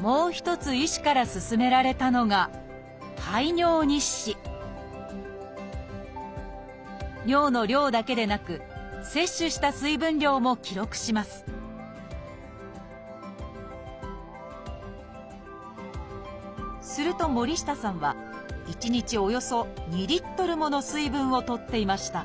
もう一つ医師から勧められたのが排尿日誌尿の量だけでなく摂取した水分量も記録しますすると森下さんは１日およそ２Ｌもの水分をとっていました。